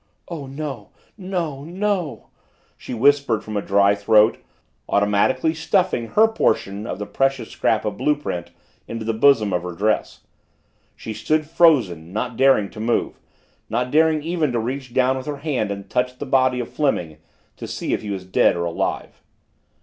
"Oh, no, no, no," she whispered from a dry throat, automatically stuffing her portion of the precious scrap of blue print into the bosom of her dress. She stood frozen, not daring to move, not daring even to reach down with her hand and touch the body of Fleming to see if he was dead or alive.